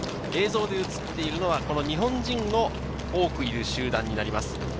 映像で映っているのは日本人の多くいる集団になります。